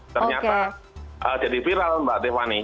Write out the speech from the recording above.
ternyata jadi viral mbak tiffany